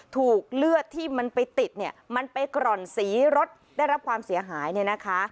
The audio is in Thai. ถูกเลือดที่มันไปติดเนี่ยมันไปกร่อนสีรถได้รับความเสียหายเนี่ยนะคะ